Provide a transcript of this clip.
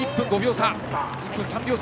１分３秒差。